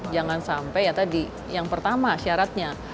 jangan sampai ya tadi yang pertama syaratnya